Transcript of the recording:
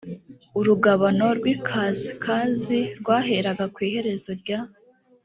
urugabano rw ikasikazi rwaheraga ku iherezo rya